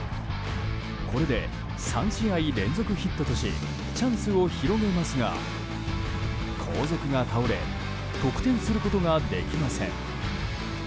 これで３試合連続ヒットとしチャンスを広げますが後続が倒れ得点することができません。